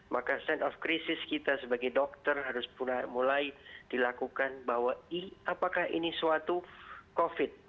maka sense of crisis kita sebagai dokter harus mulai dilakukan bahwa apakah ini suatu covid